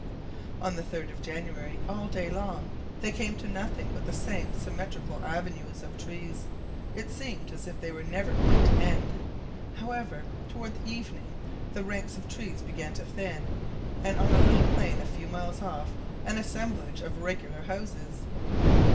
On the 3d of January, all day long, they came to nothing but the same symmetrical avenues of trees; it seemed as if they never were going to end. However, toward evening the ranks of trees began to thin, and on a little plain a few miles off an assemblage of regular houses.